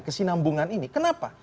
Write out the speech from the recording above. kesinambungan ini kenapa